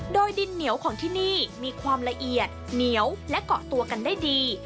โดยดินเหนียวของที่นี่มีความละเอียดเหนียวและเกาะตัวกันได้ดี